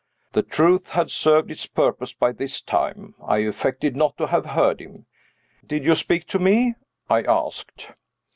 The truth had served its purpose by this time. I affected not to have heard him. "Did you speak to me?" I asked.